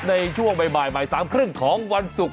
ในช่วงบ่าย๓๓๐ของวันศุกร์